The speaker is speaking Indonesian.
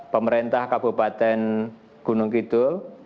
pemerintah kabupaten gunung kitul